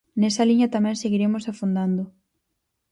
Nesa liña tamén seguiremos afondando.